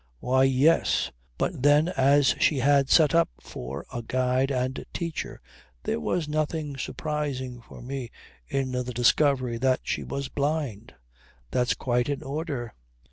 Why, yes! But, then, as she had set up for a guide and teacher, there was nothing surprising for me in the discovery that she was blind. That's quite in order.